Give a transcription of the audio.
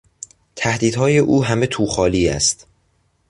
تهدیدهای او همه توخالی است.